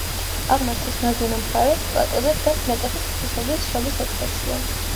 აღმართის მარჯვენა მხარეს, პლატოზე, დგას მეტეხის ღვთისმშობლის შობის ეკლესია.